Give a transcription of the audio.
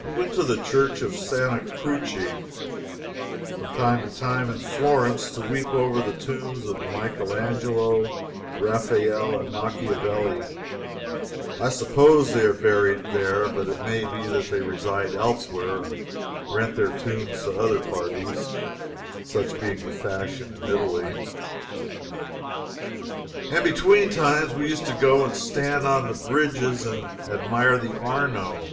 We went to the Church of Santa Croce, from time to time, in Florence, to weep over the tombs of Michael Angelo, Raphael and Machiavelli, (I suppose they are buried there, but it may be that they reside elsewhere and rent their tombs to other parties such being the fashion in Italy,) and between times we used to go and stand on the bridges and admire the Arno.